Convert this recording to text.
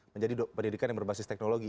menjadi pendidikan yang berbasis teknologi